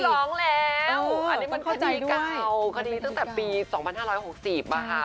ร้องแล้วอันนี้มันเข้าใจเก่าคดีตั้งแต่ปี๒๕๖๐อะค่ะ